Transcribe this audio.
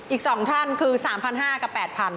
อีก๒ท่านคือ๓๕๐๐กับ๘๐๐